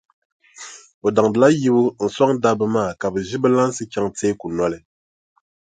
O daŋdila yibu n-sɔŋ dabba maa ka bɛ ʒi bɛ lansi chaŋ teeku noli.